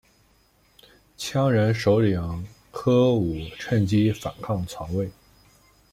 羌人首领柯吾趁机反抗曹魏。